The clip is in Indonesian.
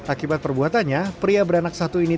akibat perbuatannya pria beranak satu ini